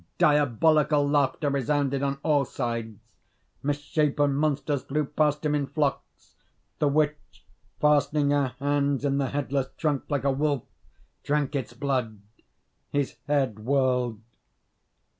Diabolical laughter resounded on all sides. Misshapen monsters flew past him in flocks. The witch, fastening her hands in the headless trunk, like a wolf, drank its blood. His head whirled.